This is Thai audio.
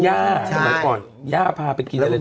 ย่าก่อนย่าพาไปกินอะไรก็ดู